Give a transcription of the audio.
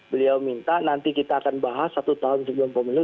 beliau minta nanti kita akan bahas satu tahun sebelum pemilu